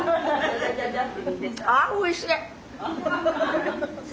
あおいしい！